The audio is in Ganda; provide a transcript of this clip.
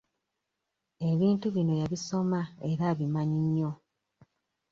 Ebintu bino yabisoma era abimanyi nnyo.